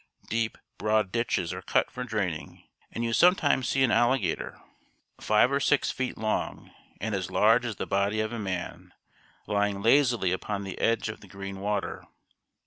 Deep, broad ditches are cut for draining, and you sometimes see an alligator, five or six feet long, and as large as the body of a man, lying lazily upon the edge of the green water.